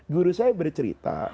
guru saya bercerita